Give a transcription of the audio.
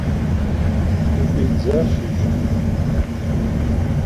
Къыщӏидзащ иджы!